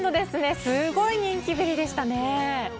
すごい人気ぶりでしたね。